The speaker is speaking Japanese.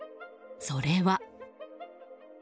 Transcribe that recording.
それは。